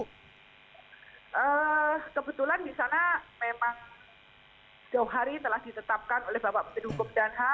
kebetulan di sana memang jauh hari telah ditetapkan oleh bapak bidung bukdana